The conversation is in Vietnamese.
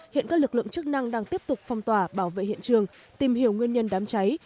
hiện các lực lượng chức năng đang tiếp tục phong tỏa bảo vệ hiện trường tìm hiểu nguyên nhân đám cháy